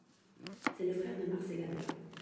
C'est le frère de Marcella Bella.